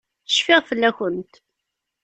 Cfiɣ fell-akent.